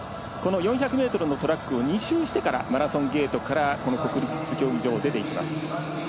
４００ｍのトラックを２周してからマラソンゲートから国立競技場を出ていきます。